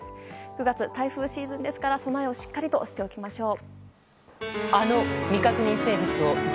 ９月は台風シーズンですから備えをしっかりしておきましょう。